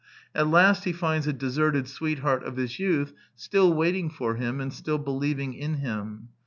At last he finds a deserted sweet heart of his youth still waiting for him and still believing in him.